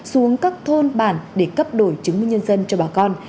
xuống các thôn bản để cấp đổi chứng minh nhân dân cho bà con